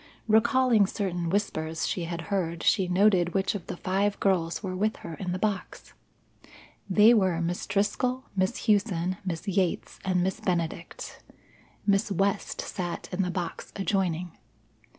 Recalling certain whispers she had heard, she noted which of the five girls were with her in the box. They were Miss Driscoll, Miss Hughson, Miss Yates, and Miss Benedict. Miss West sat in the box adjoining.